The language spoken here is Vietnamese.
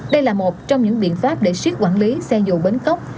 đây là một trong những biện pháp để siết quản lý xe dù bến cốc